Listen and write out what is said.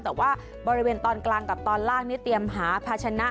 แต่ว่าบริเวณตอนกลางกับตอนล่างนี่เตรียมหาภาชนะ